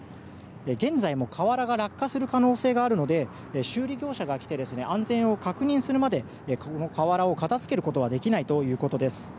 現在も瓦が落下する可能性があるので修理業者が来て安全を確認するまでこの瓦を片付けることはできないということです。